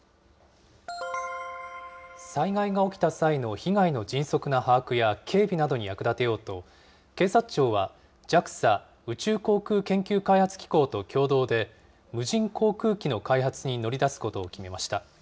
災害が起きた際の被害の迅速な把握や警備などに役立てようと、警察庁は、ＪＡＸＡ・宇宙航空研究開発機構と共同で、無人航空機の開発に乗り出すことを決めました。